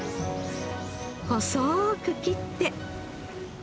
細く切って